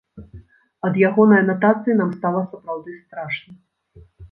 Ад ягонай анатацыі нам стала сапраўды страшна!